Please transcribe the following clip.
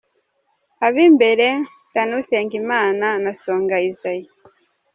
Ab’imbere: Danny usengimana na Songa Isaie.